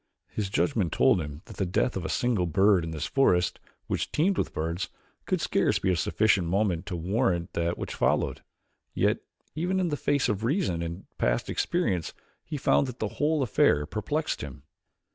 His judgment told him that the death of a single bird in this forest which teemed with birds could scarce be of sufficient moment to warrant that which followed. Yet even in the face of reason and past experience he found that the whole affair perplexed him.